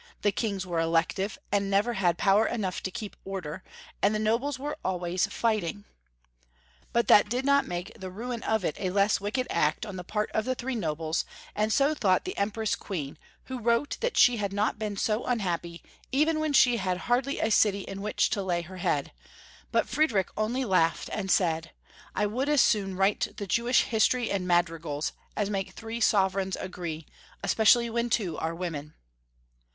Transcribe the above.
kings were elective, and never ha to keep order, and the nobles wen MAEIA THERESA AXD KAUSrra 1 Joseph II. 417 but that did not make the ruin of it less a wicked act on the part of the three nobles, and so thought the Empress Queen, who wrote that she had not been so unhappy even when she had hardly a city in which to lay her head, but Friedrich only laughed, and said, "I would as soon write the Jewish history in madrigals as make three sover eigns agree, especially when two are women."